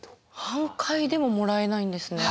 半壊でももらえないんですね。